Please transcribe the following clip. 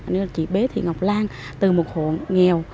như là chị bế thị ngọc lan từ một hộ nghèo